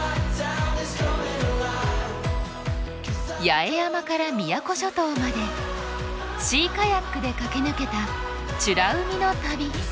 八重山から宮古諸島までシーカヤックで駆け抜けた美ら海の旅。